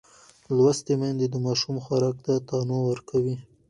لوستې میندې د ماشوم خوراک ته تنوع ورکوي.